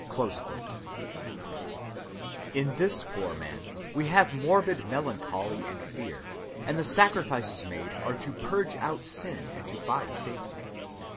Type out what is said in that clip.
(177) In this poor man we have morbid melancholy and fear, and the sacrifices made are to purge out sin, and to buy safety.